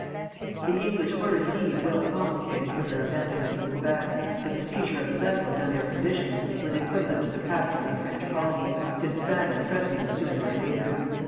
The English were, indeed, well compensated for their abandonment of Quebec, for the seizure of the vessels and their provisions was equivalent to the capture of the French colony, since famine threatened them sooner or later.